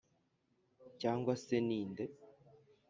Cyangwa se ni nde